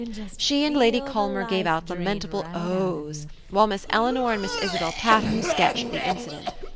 She and Lady Culmer gave out lamentable Ohs, while Miss Eleanor and Miss Isabel Patterne sketched the incident.